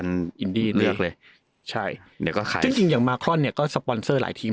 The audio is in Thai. เลือกเลยใช่แล้วก็ขายจริงอย่างมาคลอนเนี่ยก็สปอนเซอร์หลายทีม